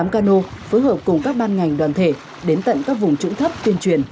tám cano phối hợp cùng các ban ngành đoàn thể đến tận các vùng trũng thấp tuyên truyền